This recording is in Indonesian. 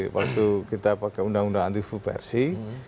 waktu kita pakai undang undang anti subversi